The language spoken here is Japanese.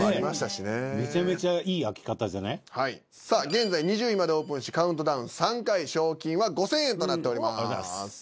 現在２０位までオープンしカウントダウン３回賞金は５，０００円となっております。